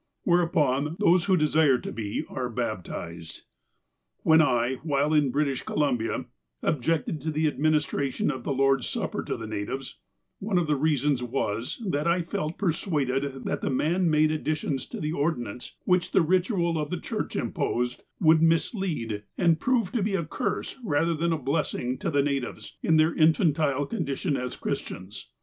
Whereupon, those who desire to be are baptized. " When I, while in British Columbia, objected to the admin istration of the Lord's Supper to the natives, one of the reasons was, that I felt persuaded that the man made additions to the ordinance, which the ritual of the church imposed, would mis lead and prove to be a curse rather than a blessing to the natives in their infantile condition as Christians.